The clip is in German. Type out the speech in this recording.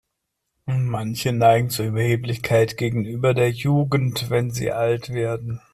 Manche neigen zu Überheblichkeit gegenüber der Jugend, wenn sie alt werden.